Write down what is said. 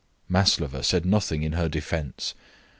Maslova said nothing in her defence.